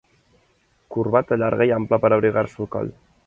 Corbata llarga i ampla per a abrigar-se el coll.